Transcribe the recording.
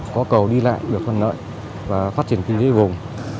có cầu đi lại được thuận lợi và phát triển kinh tế vùng